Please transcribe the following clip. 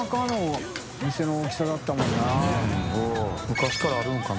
昔からあるんかな。